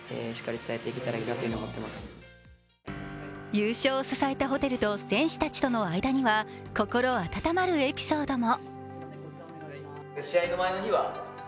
優勝を支えたホテルと選手たちの間には心温まるエピソードも。